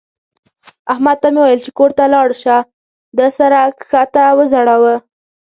احمد ته مې وويل چې کور ته ولاړ شه؛ ده سر کښته وځړاوو.